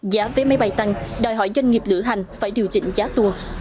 giá vé máy bay tăng đòi hỏi doanh nghiệp lửa hành phải điều chỉnh giá tour